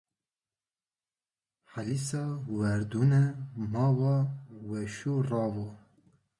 Helisa werdunê mawa wesu rawa.